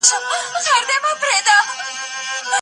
رښتيني انسان تل د بل چا لاسنيوی کړی دی.